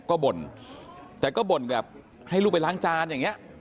ก็บ่นแต่ก็บ่นแบบให้ลูกไปล้างจานอย่างนี้